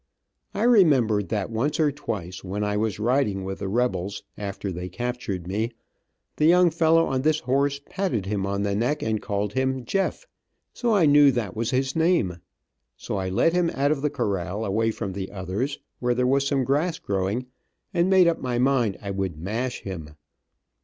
I remembered that once or twice when I was riding with the rebels, after they captured me, the young fellow on this horse patted him on the neck and called him "Jeff", so I knew that was his name, so I led him out of the corral away from the other fellows, where there was some grass growing, and made up my mind I would "mash" him.